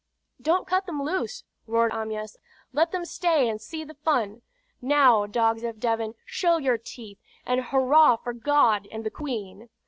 "Don't cut them loose!" roared Amyas. "Let them stay and see the fun! Now, dogs of Devon, show your teeth, and hurrah for God and the Queen!"